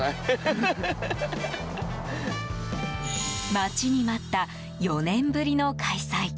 待ちに待った４年ぶりの開催。